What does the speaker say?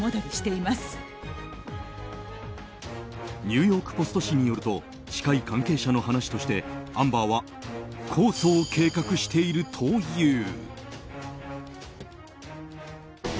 ニューヨーク・ポスト紙によると、近い関係者の話としてアンバーは控訴を計画しているという。